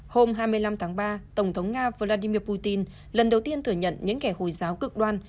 hôm hai mươi năm tháng ba tổng thống nga vladimir putin lần đầu tiên thừa nhận những kẻ hồi giáo cực đoan